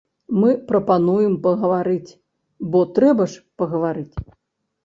Мы прапануем пагаварыць, бо трэба ж пагаварыць?